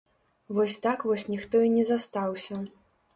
Вось так вось ніхто і не застаўся.